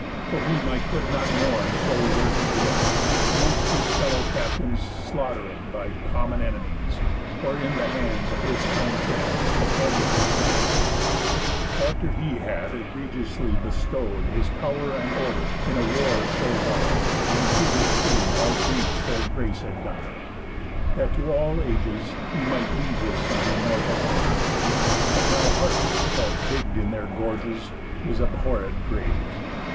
For whom I could not mourn so were he dead, Amongst his fellow captains slaughteréd By common enemies, or in the hands Of his kind friends had ended his commands, After he had egregiously bestow'd His pow'r and order in a war so vow'd, And to his tomb all Greeks their grace had done, That to all ages he might leave his son Immortal honour; but now Harpies have Digg'd in their gorges his abhorréd grave.